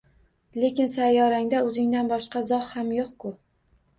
— Lekin sayyorangda o‘zingdan boshqa zog‘ ham yo‘q-ku!